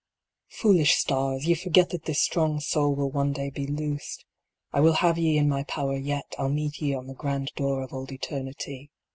A FRAGMENT. 99 Foolish stars ! Ye forget that this strong soul will one day be loosed. I will have ye in my power yet, I ll meet ye on the grand door of old eternity.